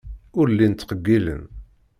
Ur llin ttqeyyilen.